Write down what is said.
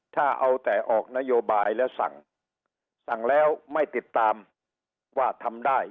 ถ้าเอาแต่ออกนโยบายแล้วสั่งสั่งแล้วไม่ติดตามว่าทำได้